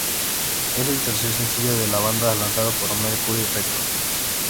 Es el tercer sencillo de la banda lanzado por Mercury Records.